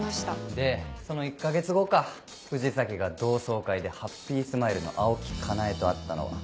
でその１か月後か藤崎が同窓会でハッピースマイルの青木香苗と会ったのは。